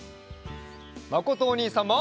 まことおにいさんも！